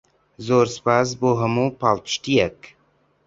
زۆر سوپاس بۆ هەموو پاڵپشتییەک.